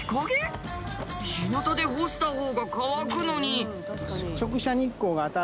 ひなたで干したほうが乾くのに。